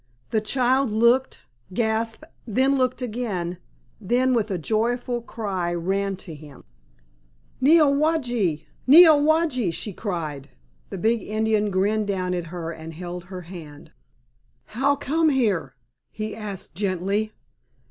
The child looked, gasped, then looked again, then with a joyful cry ran to him. "Neowage, Neowage!" she cried. The big Indian grinned down at her and held her hand. "How come here?" he asked gently.